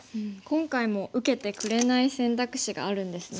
今回も受けてくれない選択肢があるんですね。